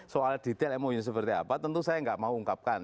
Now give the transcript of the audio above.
soal detail mou seperti apa tentu saya nggak mau ungkapkan